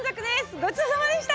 ごちそうさまでした！